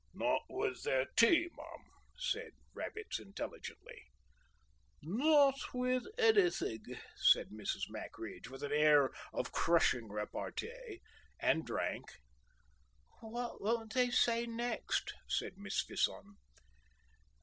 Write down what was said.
"Not with their tea, ma'am," said Rabbits intelligently. "Not with anything," said Mrs. Mackridge, with an air of crushing repartee, and drank. "What won't they say next?" said Miss Fison.